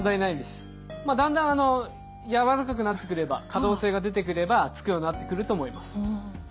まあだんだん柔らかくなってくれば可動性が出てくればつくようになってくると思います。